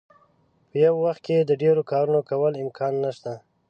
په یو وخت کې د ډیرو کارونو کولو امکان نشته.